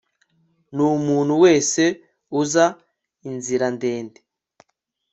Numuntu wese uza inzira ndende